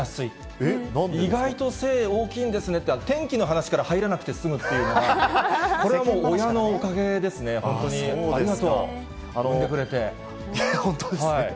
意外と背大きいんですねって、天気の話から入らなくて済むっていうのが、これはもう、親のおかげですね、本当に、ありがとう、本当ですね。